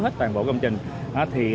toàn bộ công trình